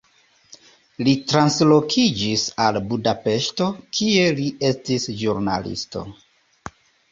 Li translokiĝis al Budapeŝto, kie li estis ĵurnalisto.